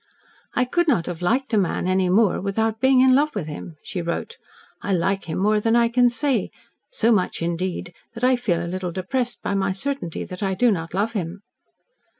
"I could not have LIKED a man any more without being in love with him," she wrote. "I LIKE him more than I can say so much, indeed, that I feel a little depressed by my certainty that I do not love him."